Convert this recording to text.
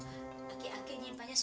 saya mau nampang mejeng